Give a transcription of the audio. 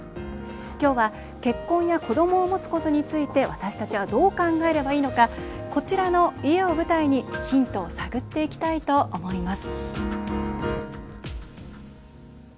今日は、結婚や子どもを持つことについて私たちは、どう考えればいいのかこちらの家を舞台にヒントを探っていきたいと思います。